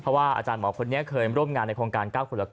เพราะว่าอาจารย์หมอคนนี้เคยร่วมงานในโครงการ๙คนละ๙